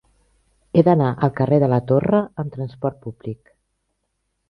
He d'anar al carrer de la Torre amb trasport públic.